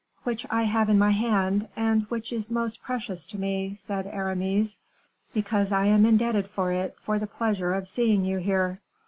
"Which I have in my hand, and which is most precious to me," said Aramis, "because I am indebted to it for the pleasure of seeing you here."